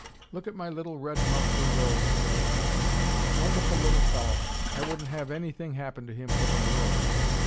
"Look at my little red monthly rose," said Argyle. "Wonderful little fellow! I wouldn't have anything happen to him for the world.